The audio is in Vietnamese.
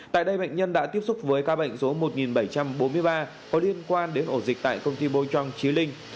tại đây bệnh nhân đã tiếp xúc với ca bệnh số một bảy trăm bốn mươi ba có liên quan đến ổ dịch tại công ty bôi trong trí linh